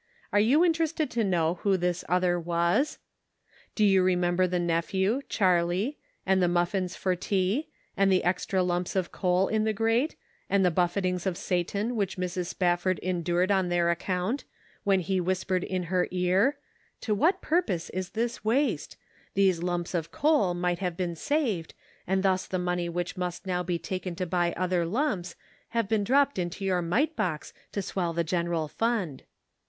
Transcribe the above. Are you interested to 498 " G ood Measure" 499 know who this other was ? Do you remember the nephew, Charlie, and the muffins for tea, and the extra lumps of coal in the grate, and the buffetings of Satan which Mrs. Spafford endured on their account, when he whispered in her ear :" To what purpose is this waste ? These lumps of coal might have been saved, and thus the money which must now be taken to buy other lumps have been dropped into your mite box to swell the general fund."